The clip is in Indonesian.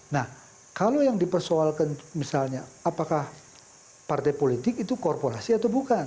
nah kalau yang dipersoalkan misalnya apakah partai politik itu korporasi atau bukan